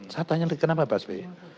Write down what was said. saya tanya kenapa bas b